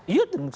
iya tentu saja